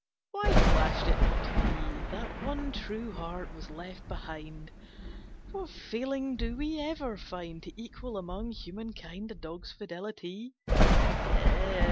Why flashed it not to me That one true heart was left behind! What feeling do we ever find To equal among human kind A dog's fidelity!"